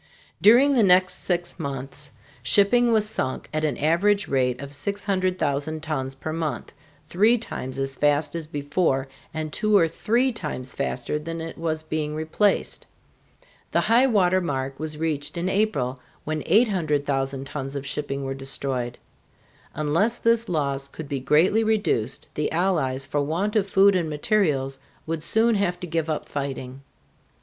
During the next six months shipping was sunk at an average rate of 600,000 tons per month, three times as fast as before, and two or three times faster than it was being replaced. The highwater mark was reached in April, when 800,000 tons of shipping were destroyed. Unless this loss could be greatly reduced the Allies for want of food and materials would soon have to give up fighting.